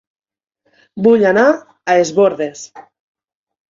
Vull anar a Es Bòrdes